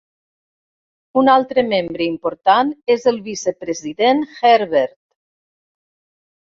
Un altre membre important és el vicepresident "Herbert".